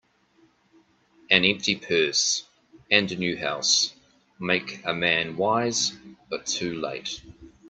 An empty purse, and a new house, make a man wise, but too late